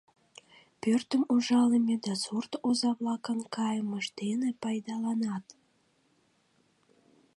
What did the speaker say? Пӧртым ужалыме да сурт оза-влакын кайымышт дене пайдаланат.